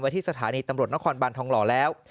ที่สถานีตำรวจนครบานทองหล่อแล้ว